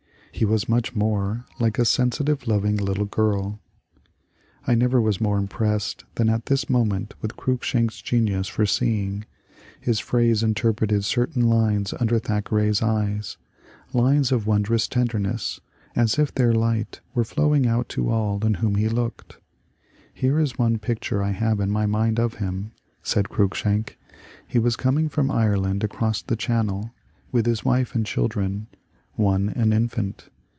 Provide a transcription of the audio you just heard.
He was much more like a sensitive, loving little girl." I never 6 MONCURE DANIEL CX)NWAY was more impressed than at this moment with Cruikshank's genius for seeing ; his phrase interpreted certain lines under Thackeray's eyes, lines of wondrous tenderness, as if their light were flowing out to all on whom be looked. ^^ Here is one picture I have in my mind of him,'' said Cruikshank ;^* he was coming from Ireland across the Channel, with his wife and children, one an infant.